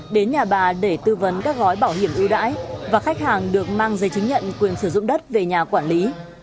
đến nhà bà để tư vấn các gói bảo hiểm ưu đãi và khách hàng được mang giấy chứng nhận quyền sử dụng đất về nhà quản lý